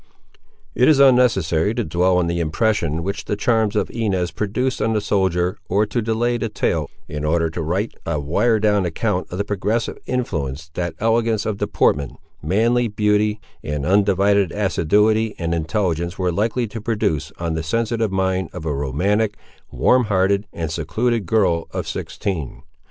It is unnecessary to dwell on the impression which the charms of Inez produced on the soldier, or to delay the tale in order to write a wire drawn account of the progressive influence that elegance of deportment, manly beauty, and undivided assiduity and intelligence were likely to produce on the sensitive mind of a romantic, warm hearted, and secluded girl of sixteen.